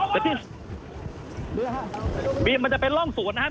เดี๋ยวนี่นี่แหละครับมันจะเป็นร่องศูนย์นะครับ